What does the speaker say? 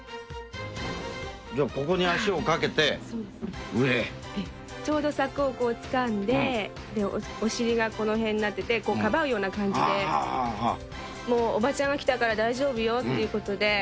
じゃあ、ここに足をかけて、ちょうど柵をつかんで、お尻がこの辺になってて、かばうような感じで、もうおばちゃんが来たから大丈夫よっていうことで。